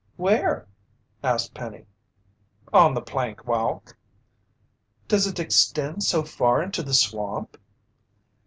"Where?" asked Penny. "On the plank walk." "Does it extend so far into the swamp?"